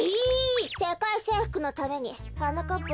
せかいせいふくのためにはなかっぱ